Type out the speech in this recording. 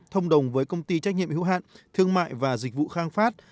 thông đồng với công ty trách nhiệm hữu hạn thương mại và dịch vụ khang phát